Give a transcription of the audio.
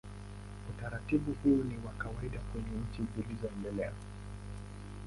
Utaratibu huu ni wa kawaida kwenye nchi zilizoendelea.